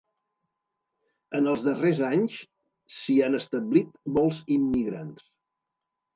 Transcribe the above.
En els darrers anys s'hi han establit molts immigrants.